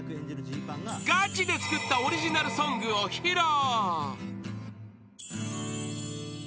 ［がちで作ったオリジナルソングを披露］